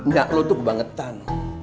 nyak lo tuh kebangetan